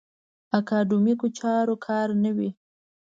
اکاډیمیکو چارو کار نه وي.